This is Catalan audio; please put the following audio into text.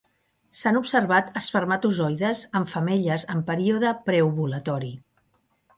S'han observat espermatozoides en femelles en període preovulatori.